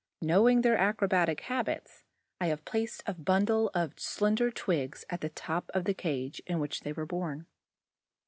Knowing their acrobatic habits, I have placed a bundle of slender twigs at the top of the cage in which they were born.